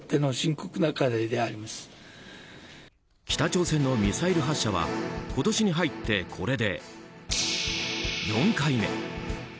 北朝鮮のミサイル発射は今年に入って、これで４回目。